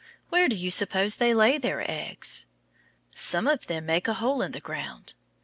Where do you suppose they lay their eggs? Some of them make a hole in the ground.